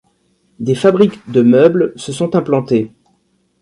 Des fabriques de meubles se sont implantées.